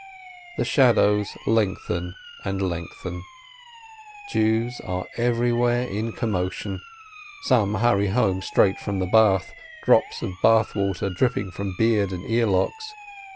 The shadows lengthen and lengthen. Jews are everywhere in commotion. Some hurry home straight from the bath, drops of bath water dripping from beard and earlocks.